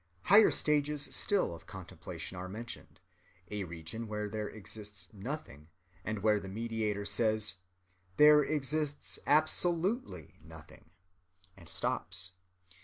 ] Higher stages still of contemplation are mentioned—a region where there exists nothing, and where the meditator says: "There exists absolutely nothing," and stops.